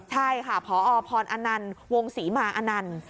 ใช่ค่ะพอพรอนันต์วงศรีมาอนันต์